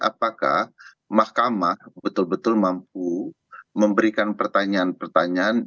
apakah mahkamah betul betul mampu memberikan pertanyaan pertanyaan